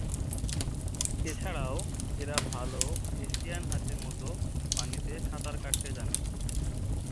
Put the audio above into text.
এছাড়াও এরা ভাল এশিয়ান হাতির মতো পানিতে সাঁতার কাটতে জানে।